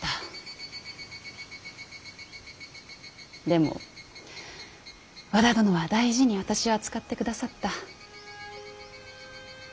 でも和田殿は大事に私を扱ってくださった。